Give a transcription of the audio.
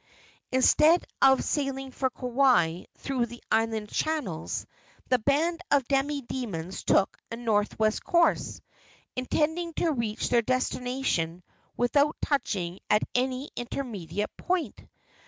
Instead of sailing for Kauai through the island channels, the band of demi demons took a northwest course, intending to reach their destination without touching at any intermediate point.